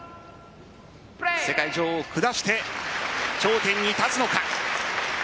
世界女王を下して頂点に立つのか。